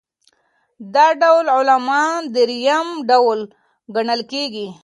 دا ډول عالمان درېیم ډول ګڼل کیږي.